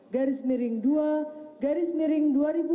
garis miring dua garis miring dua ribu enam belas dua ribu tujuh belas